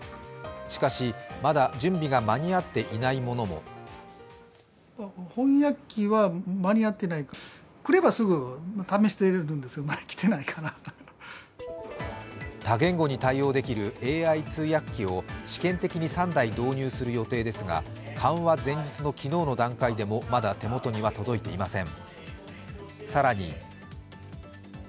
しかし、まだ準備が間に合っていないものも多言語に対応できるＡＩ翻訳機を試験的に３台導入する予定ですが緩和前日の昨日の段階でもまだ手元には届いていません。